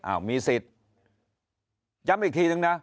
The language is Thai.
มีสิทธิ์ย้ำอีกทีนึงนะ